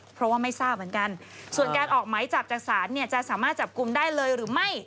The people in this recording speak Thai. เพราะว่าไม่ทราบเหมือนกันส่วนการออกไหมจับจากศาลเนี่ยจะสามารถจับกลุ่มได้เลยหรือไม่